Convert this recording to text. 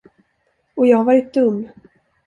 Och jag har varit dum!